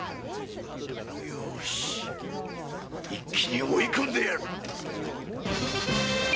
ようし一気に追い込んでやる！